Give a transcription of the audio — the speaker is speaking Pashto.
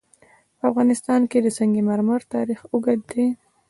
په افغانستان کې د سنگ مرمر تاریخ اوږد دی.